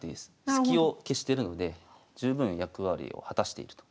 スキを消してるので十分役割を果たしていると。